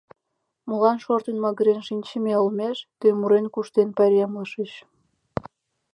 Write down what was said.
Молан шортын-магырен шинчыме олмеш тый мурен-куштен пайремлышыч?